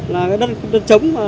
là cái đất chống